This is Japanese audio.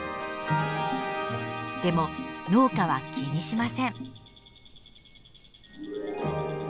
でも農家は気にしません。